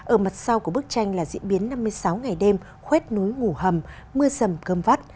ở mặt sau của bức tranh là diễn biến năm mươi sáu ngày đêm khuét núi ngủ hầm mưa sầm cơm vắt